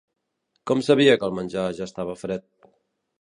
Com sabia que el menjar ja estava fred?